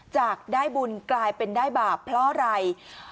จากได้บุญกลายเป็นได้บาปเพราะอะไร